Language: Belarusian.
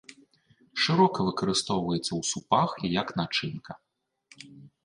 Шырока выкарыстоўваецца ў супах і як начынка.